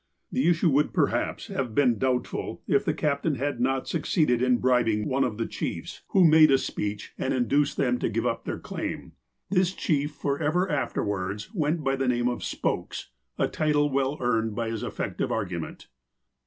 The issue would perhaps have been doubtful if the captain had not succeeded in bribing one of the chiefs, who made a speech, 82 THE APOSTLE OF ALASKA and induced them to give up their claim. This chief, forever afterwards, went by the name of "Spokes," a title well earned by his effective argument.